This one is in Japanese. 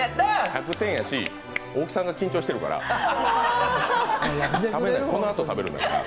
１００点やし大木さんが緊張してるから、このあと食べるから。